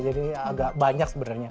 jadi agak banyak sebenarnya